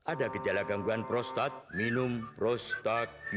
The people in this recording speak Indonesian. ada kejala gangguan prostat minum prostagir